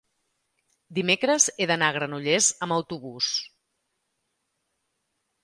dimecres he d'anar a Granollers amb autobús.